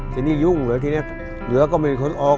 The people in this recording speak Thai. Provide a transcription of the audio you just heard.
ทีนี้ยุ่งเลยทีนี้เหลือก็ไม่มีคนออก